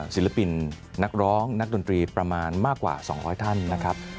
ศิลปินนักร้องนักดนตรีประมาณมากกว่า๒๐๐ท่านนะครับ